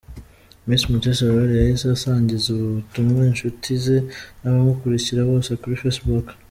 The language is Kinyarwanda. Miss Mutesi Aurore yahise asangiza ubu butumwa inshuti ze n'abamukurikira bose kuri facebook.